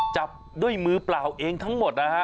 จับด้วยมือเปล่าเองทั้งหมดนะฮะ